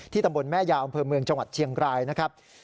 ตำบลแม่ยาวอำเภอเมืองจังหวัดเชียงรายนะครับ